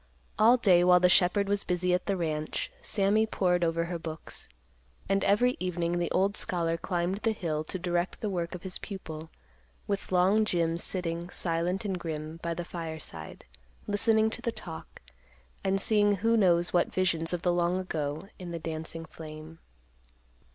All day, while the shepherd was busy at the ranch, Sammy pored over her books; and every evening the old scholar climbed the hill to direct the work of his pupil, with long Jim sitting, silent and grim, by the fireside, listening to the talk, and seeing who knows what visions of the long ago in the dancing flame.